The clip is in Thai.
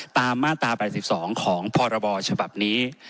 ตามมาตรา๘๒ของพรชนี้